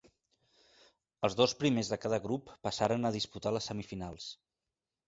Els dos primers de cada grup passaren a disputar les semifinals.